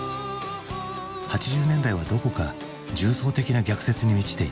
８０年代はどこか重層的な逆説に満ちていた。